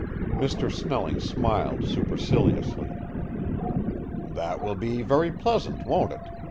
Mr. Snelling smiled superciliously. "That will be very pleasant, won't it?"